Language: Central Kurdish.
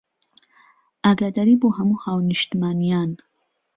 ئاگاداری بۆ هەموو هاونیشتمانیان